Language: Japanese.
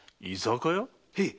へい。